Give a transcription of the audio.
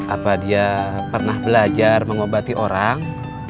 apa dia pernah belajar mengobati orang